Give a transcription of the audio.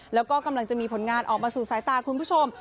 แล้วก็กำลังจะมีผลงานออกมาสู่สายตาคุณผู้ชม